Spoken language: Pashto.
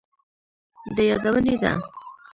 د يادونې ده،